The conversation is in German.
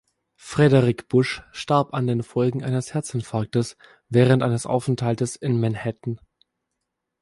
Frederick Busch starb an den Folgen eines Herzinfarktes während eines Aufenthaltes in Manhattan.